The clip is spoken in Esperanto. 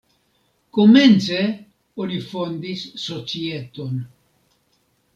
Komence oni fondis societon.